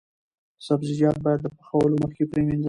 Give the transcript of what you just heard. سبزیجات باید د پخولو مخکې پریمنځل شي.